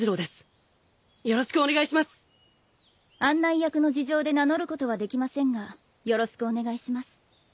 案内役の事情で名乗ることはできませんがよろしくお願いします。